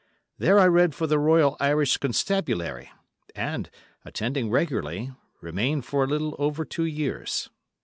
There I read for the Royal Irish Constabulary, and, attending regularly, remained for a little over two years.